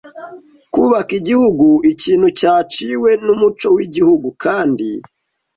kubaka Igihugu. Ikintu cyaciwe n’umuco w’Igihugu kandi